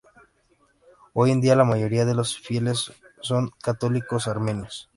Hoy en día la mayoría de los fieles son católicos armenios.